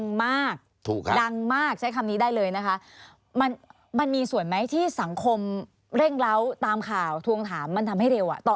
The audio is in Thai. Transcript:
ดังมากใช้คำนี้ได้เลยนะคะมันมันมีส่วนไหมที่สังคมเร่งเล้าตามข่าวทวงถามมันทำให้เร็วอ่ะตอน